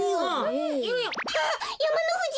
あっやまのふじ！